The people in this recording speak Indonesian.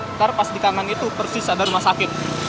ntar pas di kanan itu persis ada rumah sakit